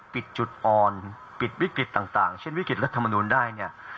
ปิดจุดอ่อนปิดวิกฤตต่างเช่นวิกฤตรัฐมนุนได้